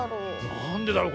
なんでだろう？